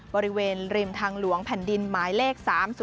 บริเวณริมทางหลวงแผ่นดินหมายเลข๓๐